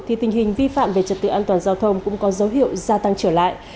thì tình hình vi phạm về trật tự an toàn giao thông cũng có dấu hiệu gia tăng trở lại